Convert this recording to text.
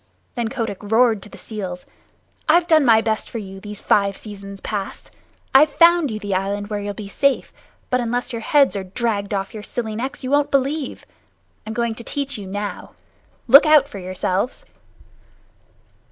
Then Kotick roared to the seals: "I've done my best for you these five seasons past. I've found you the island where you'll be safe, but unless your heads are dragged off your silly necks you won't believe. I'm going to teach you now. Look out for yourselves!"